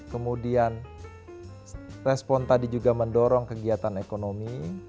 kemudian respon tadi juga mendorong kegiatan ekonomi